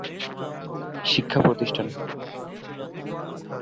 শিক্ষা প্রতিষ্ঠান